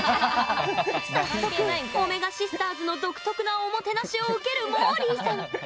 早速おめがシスターズの独特なおもてなしを受けるもーりーさん。